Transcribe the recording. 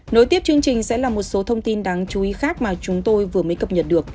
nối tiếp chương trình sẽ là một số thông tin đáng chú ý khác mà chúng tôi vừa mới cập nhật được